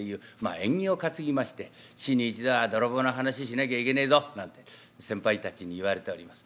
縁起を担ぎまして「日に一度は泥棒の噺しなきゃいけねえぞ」なんて先輩たちに言われております。